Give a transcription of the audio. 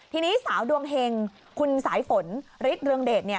ทีนี้สาวดวงแห่งคุณสายฝนฤทธิ์เรื่องเดชน์เนี่ย